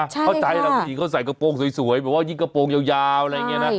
เพื่อฝากเตือนกันนะใช่ค่ะเขาใส่กระโปรงสวยอย่างว่ายิงกระโปรงยาวอะไรอย่างเงี้ยนะ